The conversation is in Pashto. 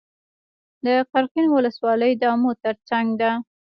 د قرقین ولسوالۍ د امو تر څنګ ده